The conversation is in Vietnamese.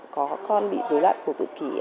có con bị rối loạn của tự kỷ